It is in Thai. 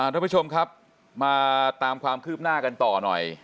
ทุกผู้ชมครับมาตามความคืบหน้ากันต่อหน่อย